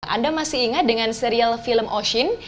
anda masih ingat dengan serial film oshin